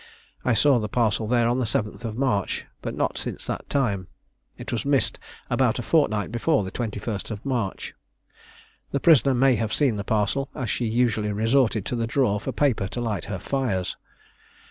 I saw the parcel there on the 7th of March, but not since that time. It was missed about a fortnight before the 21st of March. The prisoner may have seen the parcel, as she usually resorted to the drawer for paper to light her fires.